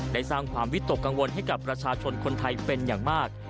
ได้สร้างความวิตกกังวลให้กับประชาชนคนไทยเป็นอย่างมาก